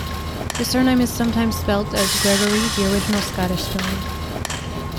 His surname is sometimes spelt as Gregorie, the original Scottish spelling.